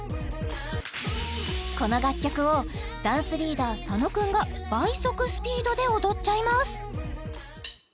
この楽曲をダンスリーダー佐野君が倍速スピードで踊っちゃいます